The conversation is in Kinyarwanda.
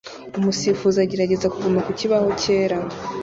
Umusifuzi agerageza kuguma ku kibaho cyera